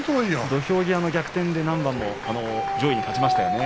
土俵際の逆転で何番も勝ちましたね。